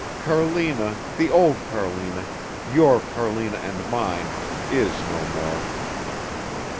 Carlina the old Carlina, your Carlina and mine, is no more."